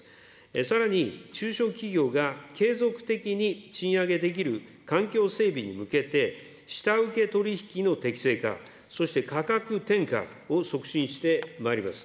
さらに中小企業が継続的に賃上げできる環境整備に向けて、下請け取り引きの適正化、そして価格転嫁を促進してまいります。